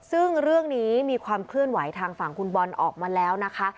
ซึ่งเรื่องนี้มีความเคลื่อนไหวทางฝั่งคุณบอลออกมาแล้วนะคะ